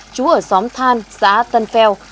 chú ở xóm than xã tân pheo